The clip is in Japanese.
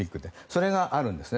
それがあるんですね。